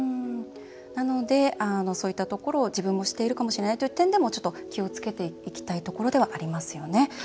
なのでそういったところも自分がしているかもしれないとちょっと気をつけていきたいところではありますね。